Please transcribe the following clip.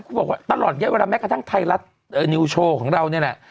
เขาบอกว่าตลอดเยอะเวลาแม้กระทั่งไทยรัฐนิวโชว์ของเรานี่แหละ